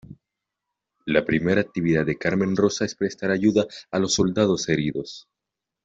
La primera actividad de Carmen Rosa es prestar ayuda a los soldados heridos.